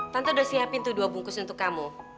tante udah siapin tuh dua bungkus untuk kamu